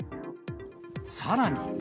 さらに。